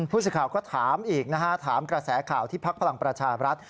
ผู้สื่อข่าวก็ถามอีกนะฮะถามกระแสข่าวที่พักพลังประชาบรัฐ